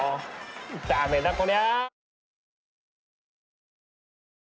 ダメだこりゃ。